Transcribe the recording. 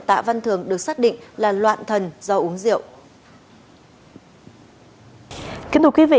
tạ văn thường được xác định là loạn thần do uống rượu